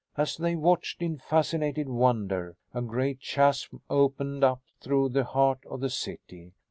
As they watched in fascinated wonder, a great chasm opened up through the heart of the city.